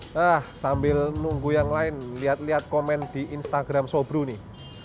nah sambil nunggu yang lain lihat lihat komen di instagram sobru nih